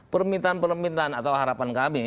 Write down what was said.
permintaan permintaan atau harapan kami